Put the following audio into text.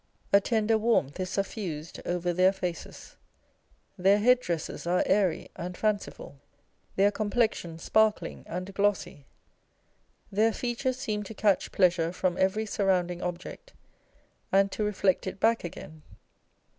A tender warmth is suffused over their faces ; their head dresses are airy and fanciful, their complexion sparkling and glossy ; their features seem to catch pleasure from every surrounding object, and to reflect it back again.